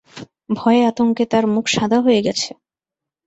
ভয়ে আতঙ্কে তার মুখ সাদা হয়ে গেছে।